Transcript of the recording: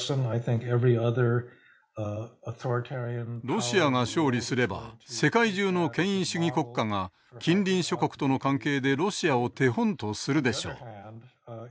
ロシアが勝利すれば世界中の権威主義国家が近隣諸国との関係でロシアを手本とするでしょう。